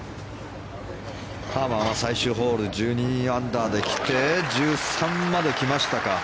ハーマンは最終ホール１２アンダーで来て１３まで来ましたか。